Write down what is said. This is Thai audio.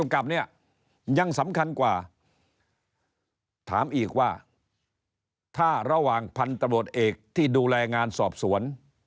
กับพันธุ์ตำรวจเอกที่ดูแลงานสอบสวน